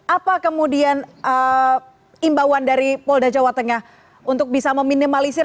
apa kemudian imbauan dari polda jawa tengah untuk bisa meminimalisir